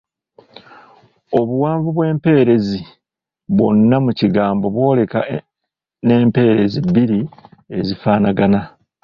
Obuwanvu bw’empeerezi bwonna mu kigambo bwolekwa n’empeerezi bbiri ezifaanagana.